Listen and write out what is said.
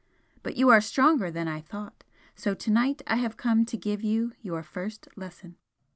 But you are stronger than I thought so to night I have come to give you your first lesson."